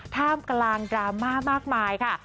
ท่ามกลางดราม่ามากมายค่ะ